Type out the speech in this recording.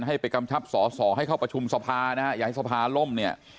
ให้ไปกำชับสอสอให้เข้าประชุมสภานะฮะอย่าให้สภาล่มเนี่ย